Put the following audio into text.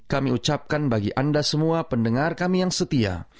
kami ucapkan bagi anda semua pendengar kami yang setia